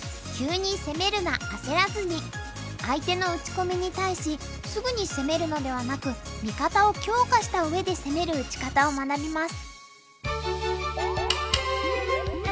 相手の打ち込みに対しすぐに攻めるのではなく味方を強化したうえで攻める打ち方を学びます。